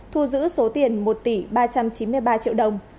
thu giữ số tiền một tỷ ba trăm chín mươi ba triệu đồng